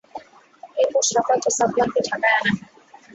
এরপর শাফাত ও সাদমানকে ঢাকায় আনা হয়।